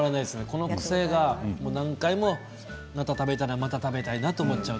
この癖が何回もまた食べたいなと思っちゃう。